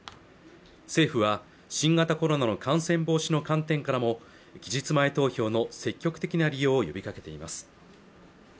政府は新型コロナの感染防止の観点からも期日前投票の積極的な利用を呼びかけています